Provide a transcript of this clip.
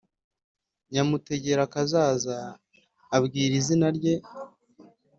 nyamutegerakazaza abibwira izina rye.